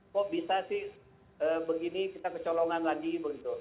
kok bisa sih begini kita kecolongan lagi begitu